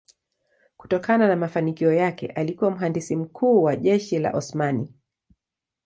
Kutokana na mafanikio yake alikuwa mhandisi mkuu wa jeshi la Osmani.